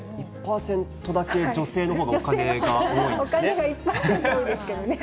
１％だけ、女性のほうがお金が多いんですね。